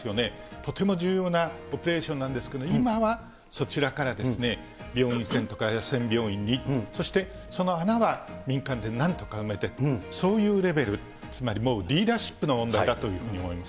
とても重要なオペレーションなんですけれども、今はそちらから病院船とか野戦病院に、そしてその穴は民間で何とか埋めて、そういうレベル、つまりもうリーダーシップの問題だというふうに思います。